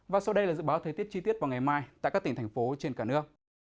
và sau đây là dự báo thời tiết chi tiết vào ngày mai tại các tỉnh thành phố trên cả nước